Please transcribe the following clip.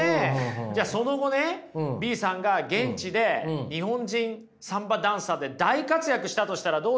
じゃあその後ねＢさんが現地で日本人サンバダンサーで大活躍したとしたらどうですか？